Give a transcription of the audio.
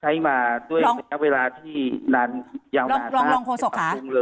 ใช้มาด้วยระยะเวลาดูที่นานยาวนานค่ะ